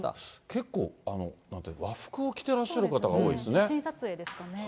結構、和服を着てらっしゃる方が多いですね。